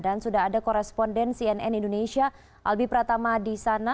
dan sudah ada koresponden cnn indonesia albi pratama di sana